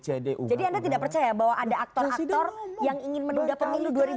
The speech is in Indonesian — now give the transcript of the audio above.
jadi anda tidak percaya bahwa ada aktor aktor yang ingin menduduk pemilih dua ribu dua puluh empat